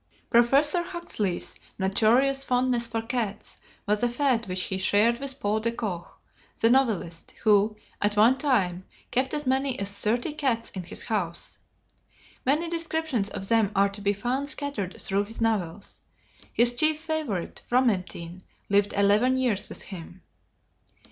Professor Huxley's notorious fondness for cats was a fad which he shared with Paul de Koch, the novelist, who, at one time, kept as many as thirty cats in his house. Many descriptions of them are to be found scattered through his novels. His chief favorite, Fromentin, lived eleven years with him.